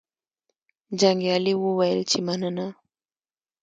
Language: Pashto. جنګیالي وویل چې مننه.